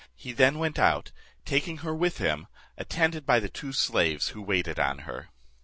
He then went out, taking her with him, attended by the two slaves who waited on her.